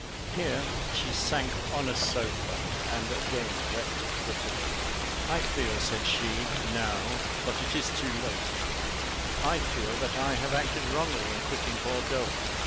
Here she sank on a sofa, and again wept bitterly. "I feel," said she, "now, but it is too late I feel that I have acted wrongly in quitting Bordeaux.